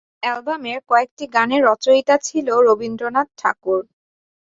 অ্যালবামের কয়েকটি গানের রচয়িতা ছিল রবীন্দ্রনাথ ঠাকুর।